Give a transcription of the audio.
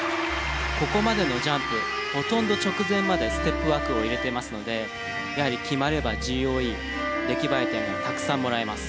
ここまでのジャンプほとんど直前までステップワークを入れていますのでやはり決まればＧＯＥ出来栄え点がたくさんもらえます。